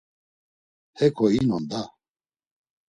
Heko inon da!